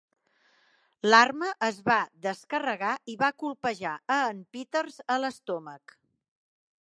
L'arma es va descarregar i va colpejar a en Peters a l'estómac.